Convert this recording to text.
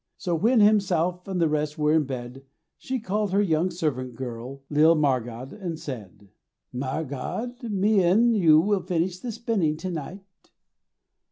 So when Himself and the rest were in bed, she called her young servant girl, lil Margad, and said: 'Margad, me an' you will finish the spinning to night.'